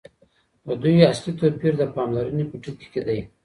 د دوی اصلي توپیر د پاملرني په ټکي کي دی.